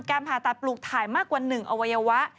ผ่าตัดปลูกถ่ายมากกว่า๑อวัยวะ